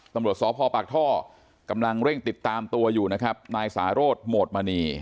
ตำรวจสพปากท่อกำลังเร่งติดตามตัวอยู่นะครับนายสาโรธโหมดมณี